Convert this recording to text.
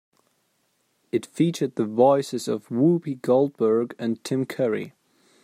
It featured the voices of Whoopi Goldberg and Tim Curry.